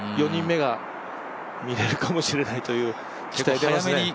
４人目が見れるかもしれないという期待ですね。